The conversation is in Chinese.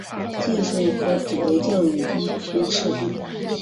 技术和职业教育应普遍设立。